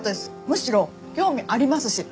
むしろ興味ありますし。